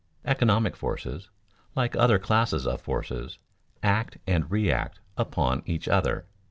Economic forces, like other classes of forces, act and react upon each other.